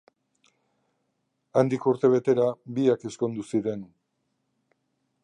Handik urte betera biak ezkondu ziren.